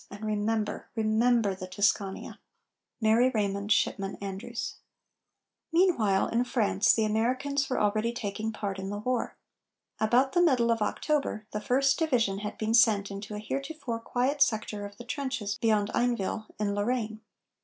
And remember, remember, the Tuscania! MARY RAYMOND SHIPMAN ANDREWS. Meanwhile, in France, the Americans were already taking part in the war. About the middle of October, the First division had been sent into a heretofore quiet sector of the trenches beyond Einville, in Lorraine.